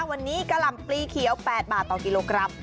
วันนี้กะหล่ำปลีเขียว๘บาทต่อกิโลกรัม